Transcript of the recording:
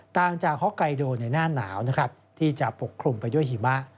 ต่างจากฮอกไกโดในหน้าหนาวนะครับที่จะปกคลุมไปด้วยหิมะ